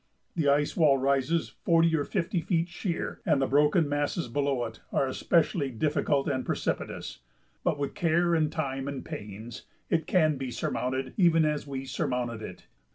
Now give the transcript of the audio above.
The ice wall rises forty or fifty feet sheer, and the broken masses below it are especially difficult and precipitous, but with care and time and pains it can be surmounted even as we surmounted it.